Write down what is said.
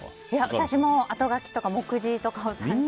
私もあとがきとか目次とかを参考に。